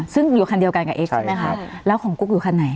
ซึ่งอยู่คันเดียวกันกับเอ็กซใช่ไหมคะแล้วของกุ๊กอยู่คันไหน